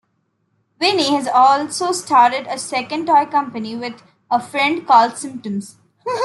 Vinnie has also started a second toy company with a friend called Symptoms.